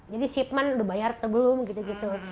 jadi shipment udah bayar sebelum gitu gitu